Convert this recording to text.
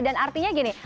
dan artinya gini